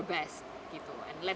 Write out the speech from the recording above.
dan lakukan yang terbaik